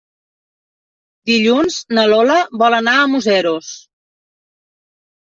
Dilluns na Lola vol anar a Museros.